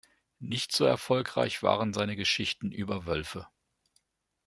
Nicht so erfolgreich waren seine Geschichten über Wölfe.